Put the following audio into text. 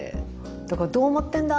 だからどう思ってんだ？